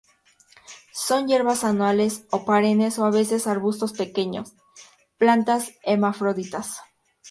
Son hierbas anuales o perennes o a veces arbustos pequeños; plantas hermafroditas.